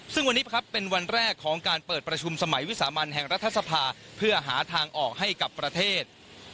ซึ่งวันนี้ครับเป็นวันแรกของการเปิดประชุมสมัยวิสามันแห่งรัฐสภาเพื่อหาทางออกให้กับประเทศ